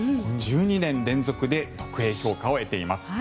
１２年連続で特Ａ評価を経ています。